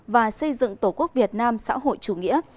và xây dựng tổ quốc việt nam xã hội chủ nghĩa